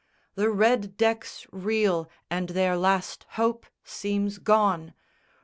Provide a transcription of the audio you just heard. The red decks reel and their last hope seems gone!